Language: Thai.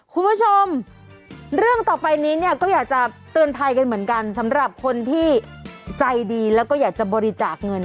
คุณผู้ชมเรื่องต่อไปนี้เนี่ยก็อยากจะเตือนภัยกันเหมือนกันสำหรับคนที่ใจดีแล้วก็อยากจะบริจาคเงิน